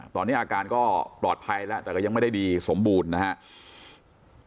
ตอนนี้อาการก็ปลอดภัยแล้วแต่ก็ยังไม่ได้ดีสมบูรณ์นะครับ